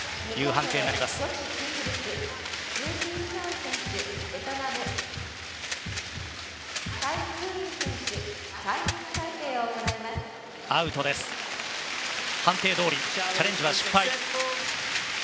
判定どおりチャレンジは失敗。